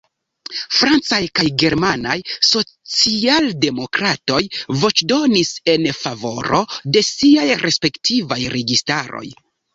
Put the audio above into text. Francaj kaj germanaj socialdemokratoj voĉdonis en favoro de siaj respektivaj registaroj.